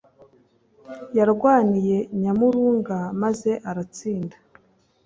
Yarwaniye Nyamurunga maze aratsinda